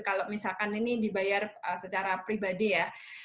kalau misalkan ini dibayar secara pribadi ya